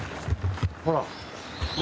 ほら。